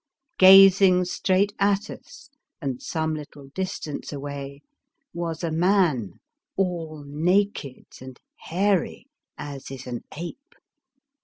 Gazing straight at us, and some little distance away, was a man all naked and hairy, as is an ape.